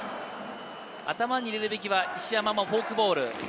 頭に入れるべきは石山のフォークボール。